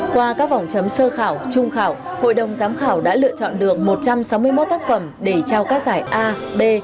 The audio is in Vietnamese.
qua các vòng chấm sơ khảo trung khảo hội đồng giám khảo đã lựa chọn được một trăm sáu mươi một tác phẩm để trao các giải a b